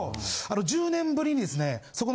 １０年ぶりにですねそこの。